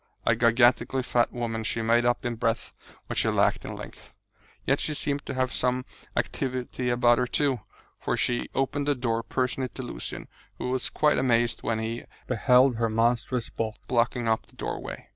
A gigantically fat woman, she made up in breadth what she lacked in length. Yet she seemed to have some activity about her, too, for she opened the door personally to Lucian, who was quite amazed when he beheld her monstrous bulk blocking up the doorway.